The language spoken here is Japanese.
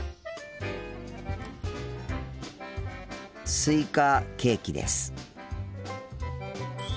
スイカケーキです。